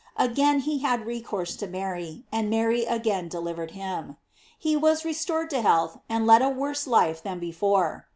Again he had recourse to Mary, and Mary again delivered him. He was restored to health and led a worse life than before.